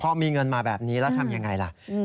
พอมีเงินมาแบบนี้แล้วทำยังไงล่ะ